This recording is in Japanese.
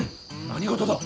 何事だ。